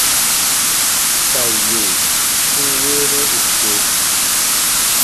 Ka yè n weenɛ ù ko.